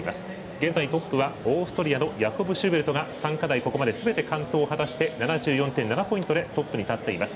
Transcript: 現在トップはオーストリアのヤコブ・シューベルトが３課題、すべて完登を果たして７４．７ポイントでトップに立っています。